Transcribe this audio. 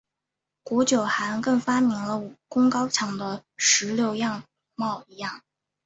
古九寒更发现武功高强的石榴样貌一样。